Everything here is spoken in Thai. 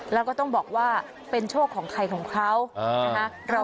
แล้วก็ต้องบอกว่าเป็นโชคของใครของเขานะคะ